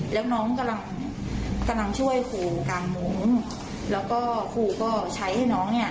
แล้วน้องกำลังช่วยครูกลางมุ้งแล้วก็ครูก็ใช้ให้น้องเนี่ย